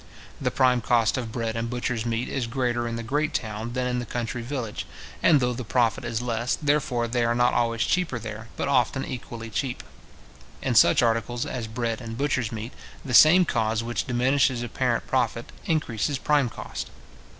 The prime cost of bread and butchers' meat is greater in the great town than in the country village; and though the profit is less, therefore they are not always cheaper there, but often equally cheap. In such articles as bread and butchers' meat, the same cause which diminishes apparent profit, increases prime cost.